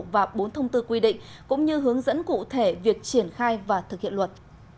và bốn thông tư quy định cũng như hướng dẫn cụ thể việc triển khai và thực hiện luật